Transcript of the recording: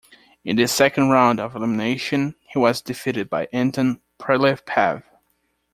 In the second round of elimination, he was defeated by Anton Prylepav.